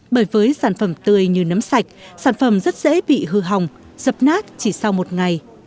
bởi với sản phẩm tươi như nấm sạch sản phẩm rất dễ bị hư hỏng dập nát chỉ sau một ngày